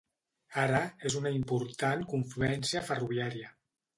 Ara, és una important confluència ferroviària.